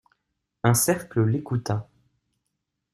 Un cercle l'écouta.